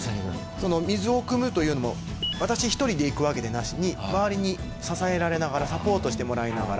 その水を汲むというのも私一人で行くわけでなしに周りに支えられながらサポートしてもらいながら。